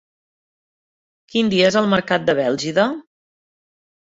Quin dia és el mercat de Bèlgida?